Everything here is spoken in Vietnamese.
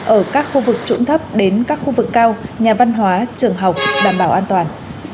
ở các khu vực trũng thấp đến các khu vực cao nhà văn hóa trường học đảm bảo an toàn